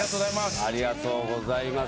ありがとうございます。